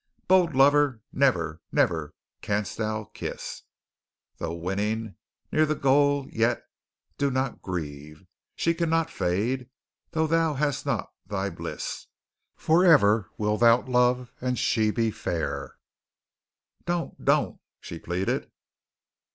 "'Bold lover, never, never canst thou kiss Though winning near the goal yet, do not grieve; She cannot fade, though thou hast not thy bliss, For ever wilt thou love and she be fair.'" "Don't, don't," she pleaded.